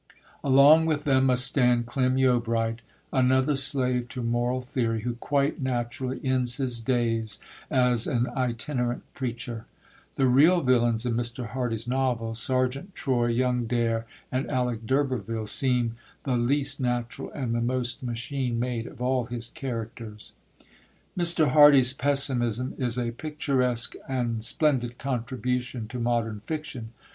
Along with them must stand Clym Yeobright, another slave to moral theory, who quite naturally ends his days as an itinerant preacher. The real villains in Mr. Hardy's novels, Sergeant Troy, young Dare, and Alec D'Urberville, seem the least natural and the most machine made of all his characters. Mr. Hardy's pessimism is a picturesque and splendid contribution to modern fiction.